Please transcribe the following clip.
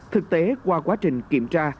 thực tế qua quá trình kiểm tra